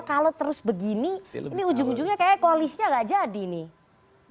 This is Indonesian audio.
kalau terus begini ini ujung ujungnya kayaknya koalisnya gak jadi nih